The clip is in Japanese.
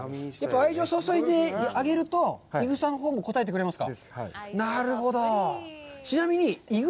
愛情を注いであげると、いぐさのほうも応えてくれますか？